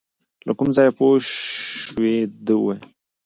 له کوم ځایه پوه شوې، ده ویل .